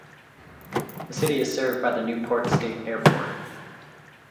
The city is served by the Newport State Airport.